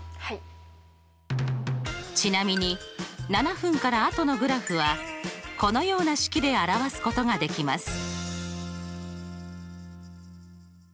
ちなみに７分から後のグラフはこのような式で表すことができます。